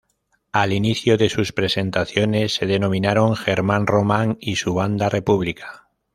Al inicio de sus presentaciones se denominaron Germán Román y su Banda República.